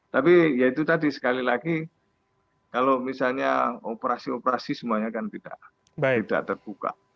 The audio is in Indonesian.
tapi ya itu tadi sekali lagi kalau misalnya operasi operasi semuanya kan tidak terbuka